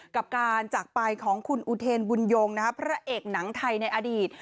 กับการจากไปของคุณอุเทนบุญยงพระเอกหนังไทยในอดีต